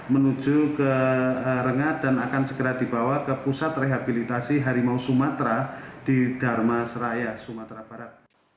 menuju ke rengat dan akan segera dibawa ke pusat rehabilitasi harimau sumatera di dharma seraya sumatera barat